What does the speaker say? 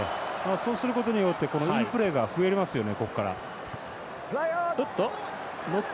そうすることによってインプレーが増えますよね。